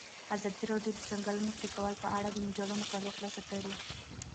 ازادي راډیو د د ځنګلونو پرېکول په اړه د مجلو مقالو خلاصه کړې.